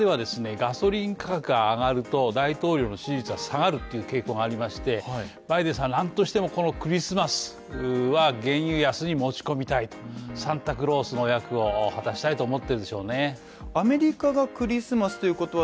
ガソリンが上がると大統領の支持率が下がるっていう傾向がありましてバイデンさんとしてもこのクリスマスは原油安に持ち込みたいとサンタクロースの役割を果たしたいと思ってるでしょうね。